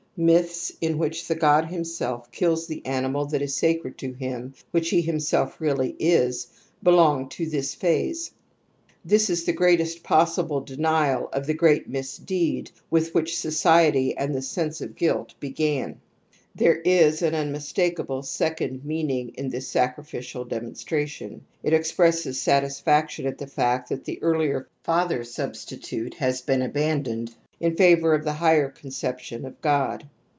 Myths in which the god himself kills the animal that is sacred to him, which he him self really is, belong to this phase. This is the greatest possible denial oi th<?.^e,at mi^e^d with which society and ^•l^^ g^nc^ r^f guilf bf^gi^r^ There is an unmistakable second meaning in r 250 TOTEM AND TABOO this sacrificial demonstration. It expresses sat isfaction at the iiact th at q he ^«lieF fath e r s u b sti tute has been abandoned in favour of the higher pmjiiceptinn of goH.